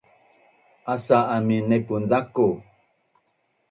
Asa’u amin naipun zaku